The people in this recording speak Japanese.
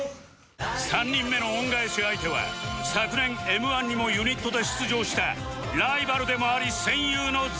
３人目の恩返し相手は今年 Ｍ−１ にもユニットで出場したライバルでもあり戦友の ＺＡＺＹ